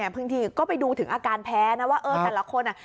บางทีก็ไปดูถึงอาการแพ้นะว่าแต่ละคน